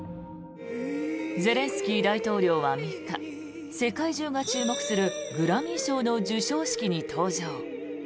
ゼレンスキー大統領は３日世界中が注目するグラミー賞の授賞式に登場。